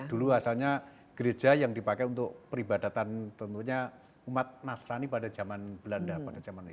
dulu asalnya gereja yang dipakai untuk peribadatan tentunya umat nasrani pada zaman belanda